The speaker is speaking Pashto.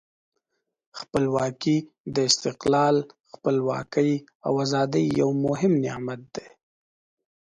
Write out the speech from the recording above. خپلواکي د استقلال، خپلواکي او آزادۍ یو مهم نعمت دی.